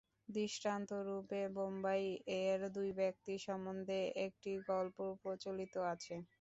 দৃষ্টান্তরূপে বোম্বাই-এর দুই ব্যক্তি সম্বন্ধে একটি গল্প প্রচলিত আছে।